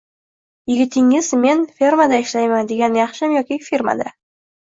- Yigitingiz "Men fermada ishlayman" degani yaxshimi yoki "firmada"?...